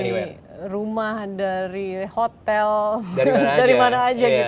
dari rumah dari hotel dari mana aja gitu